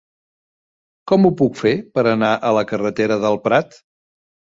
Com ho puc fer per anar a la carretera del Prat?